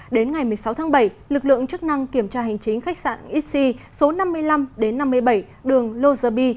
đến ngày một mươi sáu tháng bảy lực lượng chức năng kiểm tra hành chính khách sạn ic số năm mươi năm năm mươi bảy đường lô dơ bi